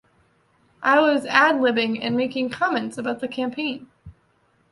I was ad libbing and making comments about the campaign.